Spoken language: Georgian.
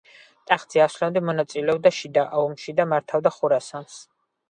ტახტზე ასვლამდე მონაწილეობდა შიდა ომში და მართავდა ხორასანს.